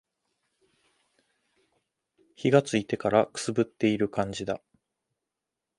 灯がついてから燻っている感じだ。